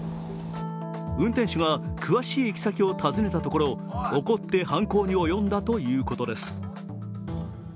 運転手が詳しい行き先を尋ねたところ、怒って犯行に及んだということです。